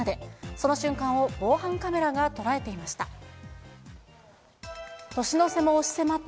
その瞬間を防犯カメラが捉えていました。